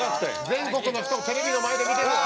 全国の人テレビの前で見てるよ。